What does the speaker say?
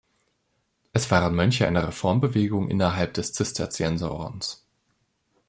Es waren Mönche einer Reformbewegung innerhalb des Zisterzienserordens.